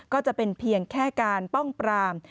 ก็จะเป็นเพียงแค่การป้องปราม